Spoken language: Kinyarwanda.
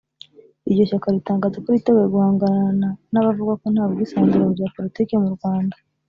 Iryo shyaka ritangaza ko ryiteguye guhangana n’abavuga ko nta bwisanzure mu bya politiki mu Rwanda